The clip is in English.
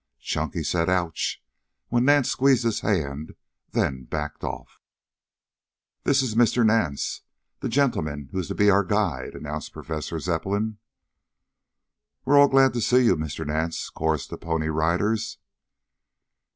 Chunky said "ouch" when Nance squeezed his hand, then backed off. "This is Mr. Nance, the gentleman who is to be our guide," announced Professor Zepplin. "We're all glad to see you, Mr. Nance," chorused the Pony Riders.